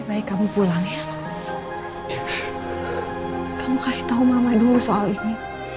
hai kamu pulang ya kamu kasih tahu mama dulu soal ini